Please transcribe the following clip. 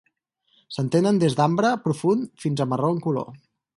S'estenen des d'ambre profund fins a marró en color.